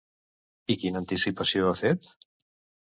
I quina anticipació ha fet?